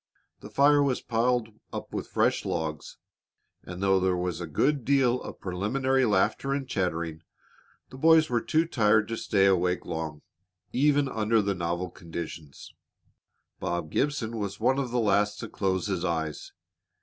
The fire was piled up with fresh logs, and though there was a good deal of preliminary laughter and chattering, the boys were too tired to stay awake long, even under the novel conditions. Bob Gibson was one of the last to close his eyes.